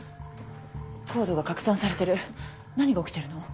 ＣＯＤＥが拡散されてる何が起きてるの？